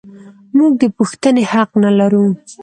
موږ د پوښتنې حق نه لرو.